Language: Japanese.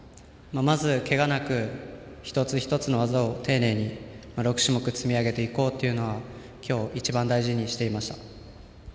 まず、けがなく一つ一つの技を丁寧に６種目積み上げていこうというのは今日、一番大事にしていました。